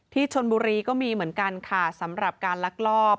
ที่ชนบุรีก็มีเหมือนกันค่ะสำหรับการลักลอบ